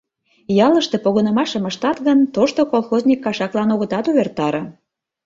Ялыште погынымашым ыштат гын, тошто колхозник кашаклан огытат увертаре.